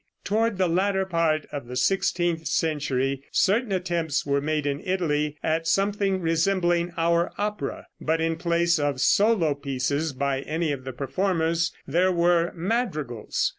Toward the latter part of the sixteenth century certain attempts were made in Italy at something resembling our opera, but in place of solo pieces by any of the performers there were madrigals.